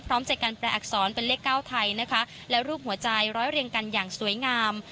จากการแปลอักษรเป็นเลข๙ไทยนะคะและรูปหัวใจร้อยเรียงกันอย่างสวยงาม